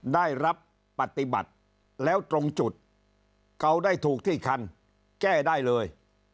ได้รับปฏิบัติแล้วตรงจุดเกาได้ถูกที่คันแก้ได้เลย